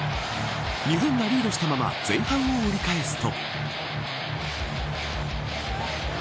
日本がリードしたまま前半を折り返すと。